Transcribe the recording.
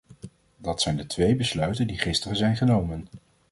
Dat zijn de twee besluiten die gisteren zijn genomen.